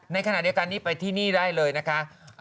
ในขณะเดียวกันนี้ไปที่นี่ได้เลยนะคะ